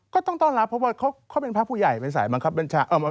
ก็ต้องต้อนรับเพราะว่าเขาเป็นพระผู้ใหญ่เป็นสายบังคับบัญชา